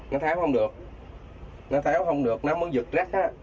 nó tháo không được nó tháo không được nó mới giựt rách á